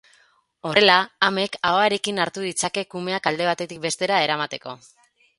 Horrela, amek ahoarekin hartu ditzake kumeak alde batetik bestera eramateko.